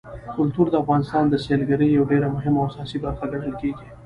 کلتور د افغانستان د سیلګرۍ یوه ډېره مهمه او اساسي برخه ګڼل کېږي.